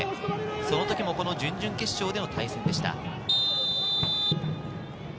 その時も準々決勝での対戦でした。